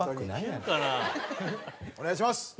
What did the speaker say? お願いします。